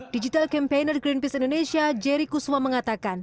digital campaigner greenpeace indonesia jerry kusuma mengatakan